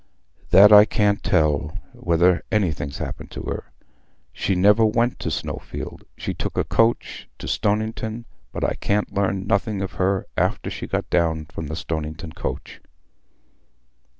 "That I can't tell, whether anything's happened to her. She never went to Snowfield—she took the coach to Stoniton, but I can't learn nothing of her after she got down from the Stoniton coach."